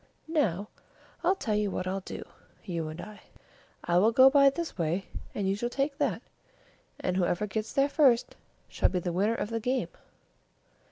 Now, I'll tell you what we'll do, you and I: I will go by this way, and you shall take that, and whoever gets there first shall be the winner of the game."